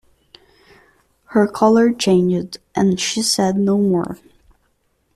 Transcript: Her colour changed, and she said no more.